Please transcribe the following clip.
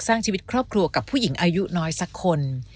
สร้างชีวิตครอบครัวกับผู้หญิงอายุน้อยสักคน